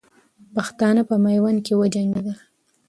پښتانه په میوند کې وجنګېدل.